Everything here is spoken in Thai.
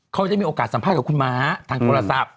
เขาได้มีโอกาสสัมภาษณ์กับคุณม้าทางโทรศัพท์